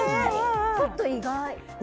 ちょっと意外。